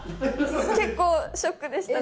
結構ショックでしたね。